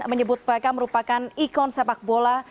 menyebut bakam merupakan ikon sepak bola